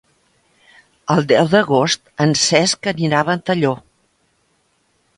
El deu d'agost en Cesc anirà a Ventalló.